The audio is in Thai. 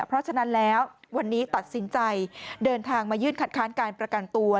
เพราะฉะนั้นแล้ววันนี้ตัดสินใจเดินทางมายื่นคัดค้านการประกันตัว